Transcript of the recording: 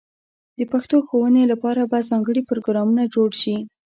د پښتو ښوونې لپاره به ځانګړې پروګرامونه جوړ شي.